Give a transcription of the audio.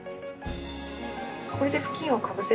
これで布巾をかぶせて。